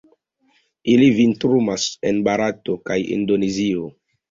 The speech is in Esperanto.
Ili vintrumas en Barato kaj Indonezio.